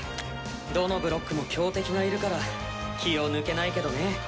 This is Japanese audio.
どのブロックも強敵がいるから気を抜けないけどね。